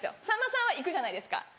さんまさんは行くじゃないですか。